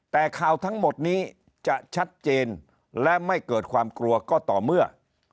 แต่ข่าวทั้งหมดนี้จะชัดเจนและไม่เกิดความกลัวก็ต่อเมื่อ